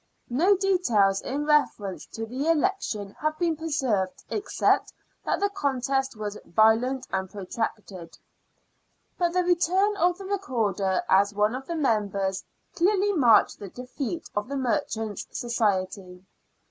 No details in reference to the election have been preserved except that the contest was violent and protracted, but the return of the Recorder as one of the Members clearly marked the defeat of the Merchants' Society.